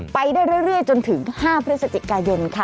ไปได้เรื่อยจนถึง๕พฤศจิกายนค่ะ